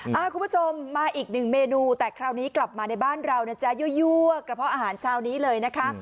คุณผู้ชมมาอีกหนึ่งเมนูแต่คราวนี้กลับมาในบ้านเรานะจ๊ะยั่วกระเพาะอาหารเช้านี้เลยนะคะ